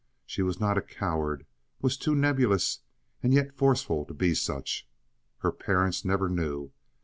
She was not a coward—was too nebulous and yet forceful to be such. Her parents never knew.